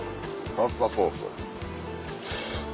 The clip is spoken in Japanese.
パスタソースです。